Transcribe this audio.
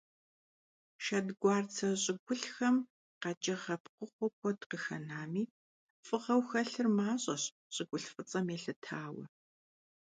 Шэдгуарцэ щӀыгулъхэм къэкӀыгъэ пкъыгъуэу куэд къыхэнами, фыгъэу хэлъыр мащӀэщ, щӀыгулъ фӀыцӀэм елъытауэ.